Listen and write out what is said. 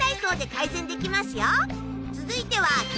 続いては。